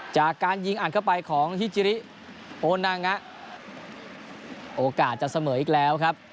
จากการยิงอัดเข้าไปของฮิจิริโอนางงะโอกาสจะเสมออีกแล้วครับ